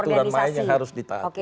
aturan lainnya harus ditaat